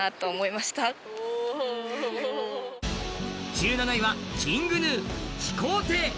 １７位はＫｉｎｇＧｎｕ、「飛行艇」。